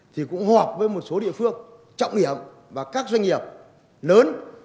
thì cũng họp với một số địa phương trọng điểm và các doanh nghiệp lớn